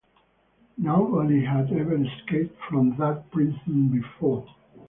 Nobody had ever escaped from that prison before.